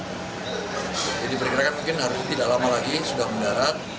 jadi diperkirakan mungkin harus tidak lama lagi sudah mendarat